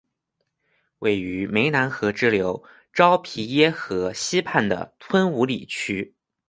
位于湄南河支流昭披耶河西畔的吞武里区。